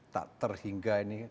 tak terhingga ini